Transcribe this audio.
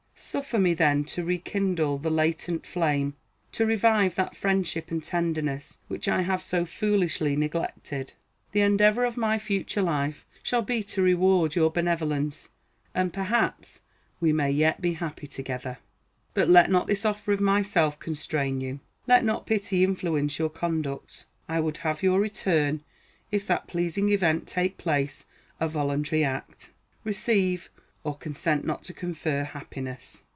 Suffer me, then, to rekindle the latent flame, to revive that friendship and tenderness which I have so foolishly neglected. The endeavor of my future life shall be to reward your benevolence, and perhaps we may yet be happy together. But let not this offer of myself constrain you. Let not pity influence your conduct. I would have your return, if that pleasing event take place, a voluntary act. Receive, or consent not to confer, happiness.